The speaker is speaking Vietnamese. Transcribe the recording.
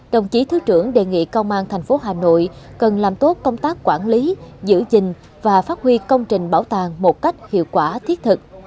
đồng chí thứ trưởng đề nghị công an thành phố hà nội cần làm tốt công tác quản lý giữ gìn và phát huy công trình bảo tàng một cách hiệu quả thiết thực